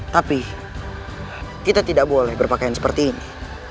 tapi kita tidak boleh berpakaian seperti ini